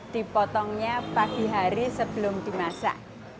dipotongnya pagi hari sebelum dimasak